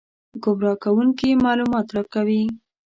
ګمراه کوونکي معلومات راکوي.